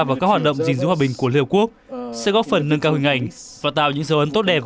vào các hoạt động gìn giữ hòa bình của liên hợp quốc sẽ góp phần nâng cao hình ảnh và tạo những dấu ấn tốt đẹp